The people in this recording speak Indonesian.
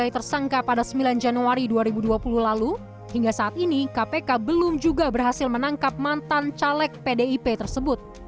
tersangka pada sembilan januari dua ribu dua puluh lalu hingga saat ini kpk belum juga berhasil menangkap mantan caleg pdip tersebut